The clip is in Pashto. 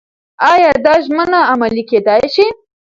ایا دا ژمنه عملي کېدای شي؟